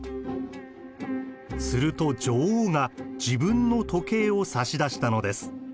すると女王が自分の時計を差し出したのです。